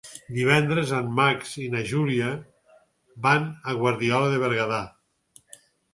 Divendres en Max i na Júlia van a Guardiola de Berguedà.